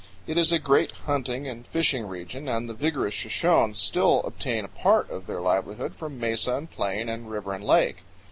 It is a great hunting and fishing region, and the vigorous Shoshones still obtain a part of their livelihood from mesa and plain and river and lake.